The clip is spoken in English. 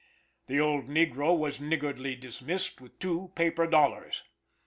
The old negro was niggardly dismissed with two paper dollars.